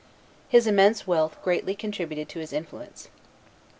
His immense wealth greatly contributed to his influence.